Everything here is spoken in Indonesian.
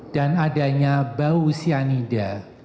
dan adanya bau cyanida